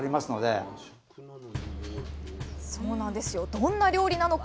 どんな料理なのか。